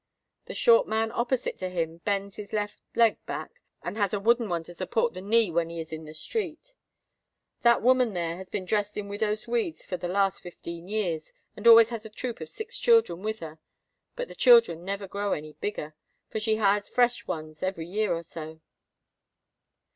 The short man opposite to him bends his left leg back, and has a wooden one to support the knee, when he is in the street. That woman there has been dressed in widows' weeds for the last fifteen years, and always has a troop of six children with her; but the children never grow any bigger, for she hires fresh ones every year or so."